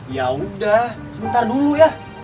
yaudah sebentar dulu ya